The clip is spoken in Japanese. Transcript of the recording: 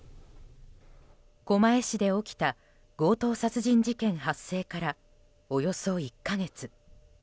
狛江市で起きた強盗殺人事件発生からおよそ１か月。